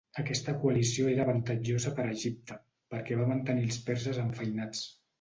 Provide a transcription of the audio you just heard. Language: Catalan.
Aquesta coalició era avantatjosa per a Egipte, perquè va mantenir els perses enfeinats.